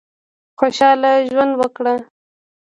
خوشاله ژوند وکړه.